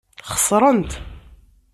Xeṣrent.